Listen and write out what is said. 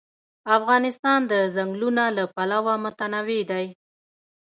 افغانستان د ځنګلونه له پلوه متنوع دی.